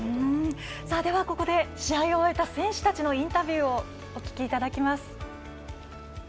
ここで試合を終えた選手たちのインタビューをお聞きいただきます。